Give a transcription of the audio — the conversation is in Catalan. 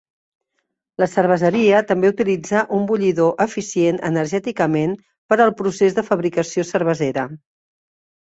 La cerveseria també utilitza un bullidor eficient energèticament per al procés de fabricació cervesera.